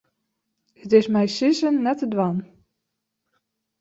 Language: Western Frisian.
It is mei sizzen net te dwaan.